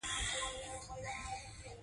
په هر حال کې یې وساتو.